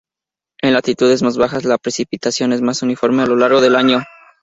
En latitudes más bajas, la precipitación es más uniforme a lo largo del año.